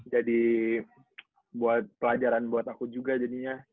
jadi buat pelajaran buat aku juga jadinya